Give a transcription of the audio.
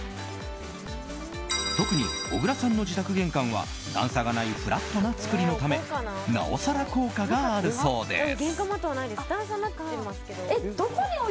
特に小倉さんの自宅玄関は段差がないフラットな作りのためなおさら効果があるそうです。